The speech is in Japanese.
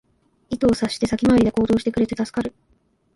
意図を察して先回りで行動してくれて助かる